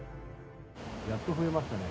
やっと増えましたね。